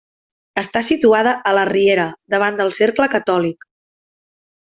Està situada a la Riera, davant del Cercle Catòlic.